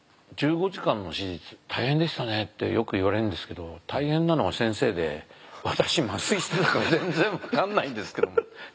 大変でしたねってよく言われるんですけど大変なのは先生で私麻酔してたから全然分かんないんですけど。